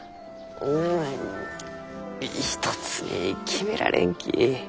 うん一つに決められんき。